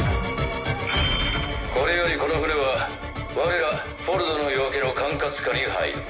これよりこの船は我ら「フォルドの夜明け」の管轄下に入る。